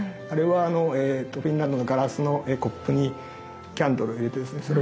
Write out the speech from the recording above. あれはフィンランドのガラスのコップにキャンドルを入れてですね